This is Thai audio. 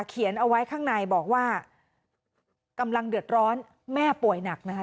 เขียนเอาไว้ข้างในบอกว่ากำลังเดือดร้อนแม่ป่วยหนักนะคะ